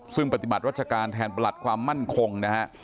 ซึ่งปฏิบัติรัชการแทนประหลัดความมั่นคงนะฮะ